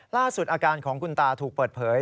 ล่าสุดอาการของคุณตาถูกเปิดเผย